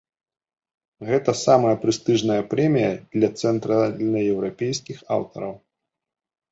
Гэта самая прэстыжная прэмія для цэнтральнаеўрапейскіх аўтараў.